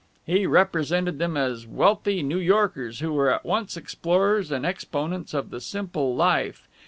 He represented them as wealthy New Yorkers who were at once explorers and exponents of the simple life.